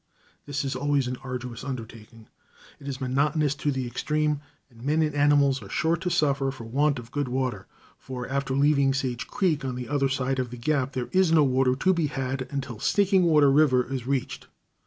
This is always an arduous undertaking. It is monotonous in the extreme, and men and animals are sure to suffer for want of good water, for after leaving Sage Creek on the other side of the gap, there is no water to be had until Stinking Water River[A] is reached.